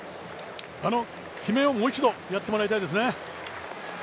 あの決めをもう一度やってもらいたいですね。